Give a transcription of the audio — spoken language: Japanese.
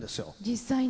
実際に。